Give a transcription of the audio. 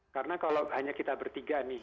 karena kalau hanya kita bertiga nih